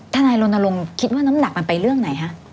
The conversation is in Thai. ถ้านายลงนาลงคิดว่าน้ำหนักมันไปเรื่องไหนฮะ